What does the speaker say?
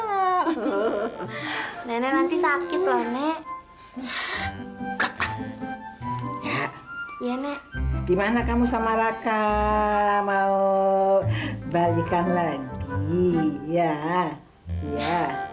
nanti sakit loh nek ya iya nek gimana kamu sama raka mau balikan lagi ya ya